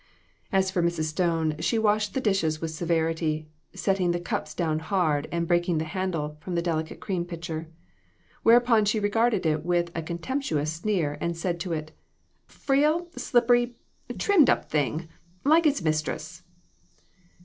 As for Mrs. Stone, she washed the dishes with severity, setting the cups down hard, and break ing the handle from the delicate cream pitcher; whereupon she regarded it with a contemptuous sneer, and said to it " Frail, slippery, trimmed up thing, like its mistress!"